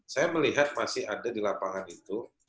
saya melihat masih ada di lapangan itu